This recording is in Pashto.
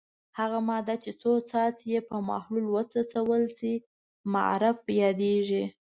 هغه ماده چې څو څاڅکي یې په محلول وڅڅول شي معرف یادیږي.